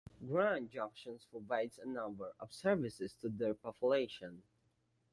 Grand Junction provides a number of services to their population.